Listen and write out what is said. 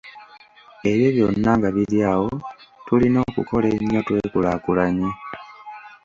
"Ebyo byonna nga biri awo, tulina okukola ennyo twekulaakulanye."